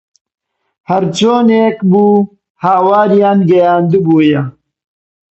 هەرچۆنێک بوو هاواریان گەیاندبوویە